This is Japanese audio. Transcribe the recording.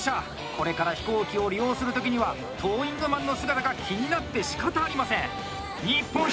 これから飛行機を利用する時にはトーイングマンの姿が気になってしかたありません！